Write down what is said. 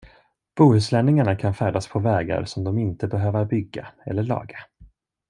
Bohuslänningarna kan färdas på vägar som de inte behöva bygga eller laga.